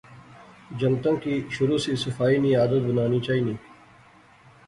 جنگتاں کی شروع سی صفائی نی عادت بنانی چاینی